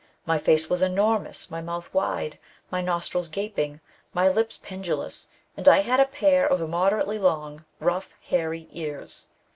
My face was enormous, my mouth wide, my nostrils gaping, my lips pendulous, and I had a pair of immoderately long, rough, hairy ears.